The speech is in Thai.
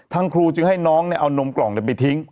ทางครูจึงให้น้องเอานมกล่องไปทิ้ง